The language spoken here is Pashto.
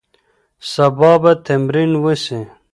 سبا به تمرین وسي.